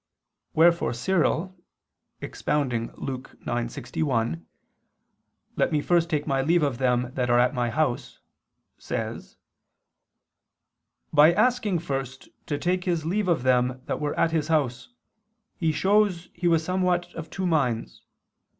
Wherefore Cyril expounding Luke 9:61, "Let me first take my leave of them that are at my house," says [*Cf. St. Thomas's Catena Aurea]: "By asking first to take his leave of them that were at his house, he shows he was somewhat of two minds.